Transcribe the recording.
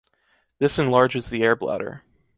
This enlarges the air bladder.